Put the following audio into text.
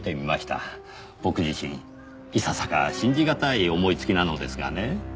僕自身いささか信じがたい思いつきなのですがねぇ。